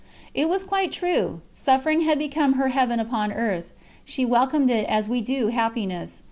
It was quite true, suffering had become her Heaven upon earth she welcomed it as we do happiness.